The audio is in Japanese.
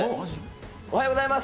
おはようございます。